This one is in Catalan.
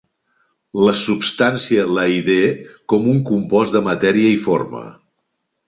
La substància la idee com un compost de matèria i forma.